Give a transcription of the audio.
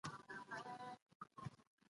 چیرته کولای سو سفارت په سمه توګه مدیریت کړو؟